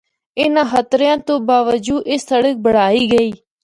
اِناں خطریاں تو باوجو اے سڑک بنڑائی گئی۔